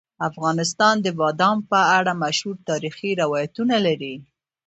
افغانستان د بادام په اړه مشهور تاریخی روایتونه لري.